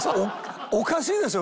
おかしいでしょ？